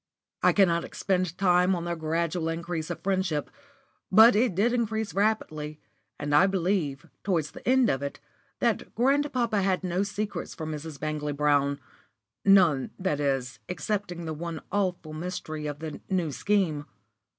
I cannot expend time on their gradual increase of friendship, but it did increase rapidly, and I believe, towards the end of it, that grandpapa had no secrets from Mrs. Bangley Brown none, that is, excepting the one awful mystery of the New Scheme.